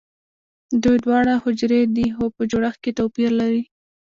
دوی دواړه حجرې دي خو په جوړښت کې توپیر لري